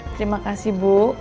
terima kasih bu